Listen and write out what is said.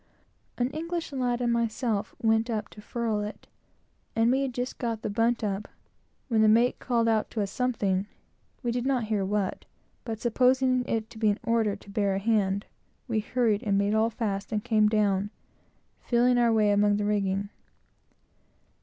An English lad and myself went up to furl it; and we had just got the bunt up, when the mate called out to us, something, we did not hear what, but supposing it to be an order to bear a hand, we hurried, and made all fast, and came down, feeling our way among the rigging.